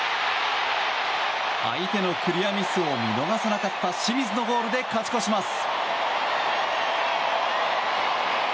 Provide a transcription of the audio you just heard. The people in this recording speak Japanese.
相手のクリアミスを見逃さなかった清水のゴールで勝ち越します。